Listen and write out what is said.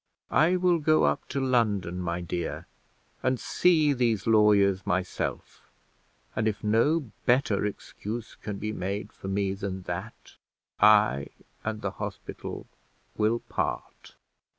I will go up to London, my dear, and see these lawyers myself, and if no better excuse can be made for me than that, I and the hospital will part."